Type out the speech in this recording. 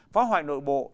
phá hoại nội bộ